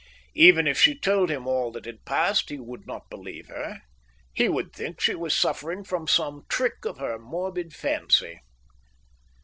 Even if she told him all that had passed he would not believe her; he would think she was suffering from some trick of her morbid fancy.